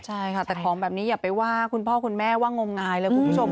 ใช่ค่ะแต่ของแบบนี้อย่าไปว่าคุณพ่อคุณแม่ว่างมงายเลยคุณผู้ชม